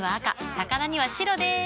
魚には白でーす。